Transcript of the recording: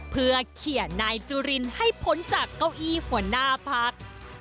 เพื่อเขียนนายจุรินให้พ้นจากเก้าอี้หัวหน้าพัก